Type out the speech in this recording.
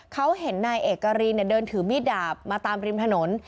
เขาเห็นนายเอกรีนเดินถือมีดดาบมาตามริมถนน